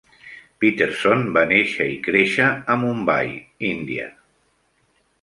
Peterson va néixer i créixer a Mumbai, Índia.